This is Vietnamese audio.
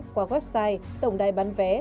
qua website tổng đài bán vé